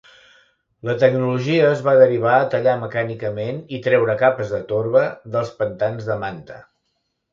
La tecnologia es va derivar a tallar mecànicament i treure capes de torba dels pantans de manta.